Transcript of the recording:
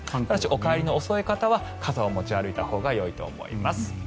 ただしお帰りの遅い方は傘を持ち歩いたほうがいいと思います。